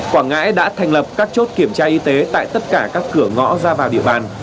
quảng ngãi đã thành lập các chốt kiểm tra y tế tại tất cả các cửa ngõ ra vào địa bàn